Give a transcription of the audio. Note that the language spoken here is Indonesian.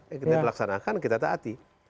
ya kita laksanakan kita taati